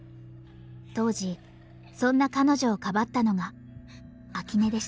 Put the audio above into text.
当時そんな彼女をかばったのが秋音でした。